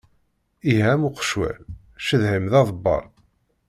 Iha am uqecwal, cceḍḥ-im d aḍebbal.